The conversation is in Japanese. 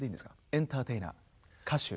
エンターテイナー歌手。